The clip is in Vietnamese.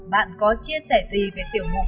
bạn có chia sẻ gì về tiểu mục